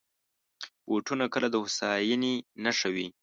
بوټونه کله د هوساینې نښه وي.